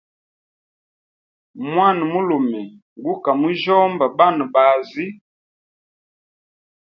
Mwana mulume guka mujyomba banabazi.